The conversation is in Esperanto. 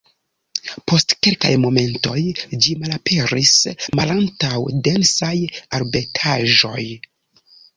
Post kelkaj momentoj ĝi malaperis malantaŭ densaj arbetaĵoj.